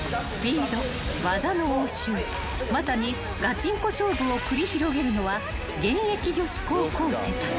［まさにがちんこ勝負を繰り広げるのは現役女子高校生たち］